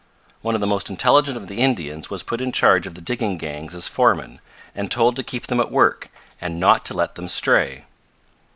One of the most intelligent of the Indians was put in charge of the digging gangs as foreman, and told to keep them at work, and not to let them stray.